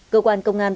cơ quan công an